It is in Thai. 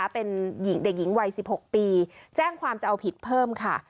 เป็นเด็กหญิงวัย๑๖ปีแจ้งความจะเอาผิดเพิ่มค่ะ